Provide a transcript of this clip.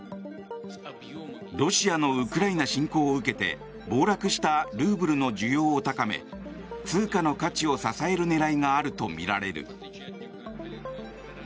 ロシアのウクライナ侵攻を受けて暴落したルーブルの需要を高め、通貨の価値を支える狙いがあるとみられる。